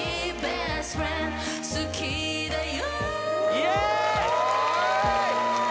イエーイ・